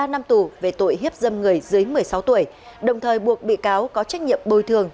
ba năm tù về tội hiếp dâm người dưới một mươi sáu tuổi đồng thời buộc bị cáo có trách nhiệm bồi thường